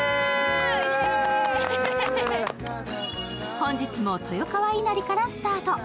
本日も豊川稲荷からスタート。